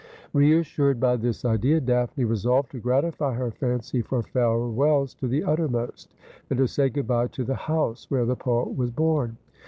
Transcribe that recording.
Reassured by this idea. Daphne resolved to gratify her fancy for farewells to the uttermost, and to say good bye to the house where the poet was born.